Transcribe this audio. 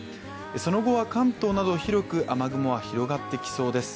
その後の関東など広く雨雲は広がってきそうです。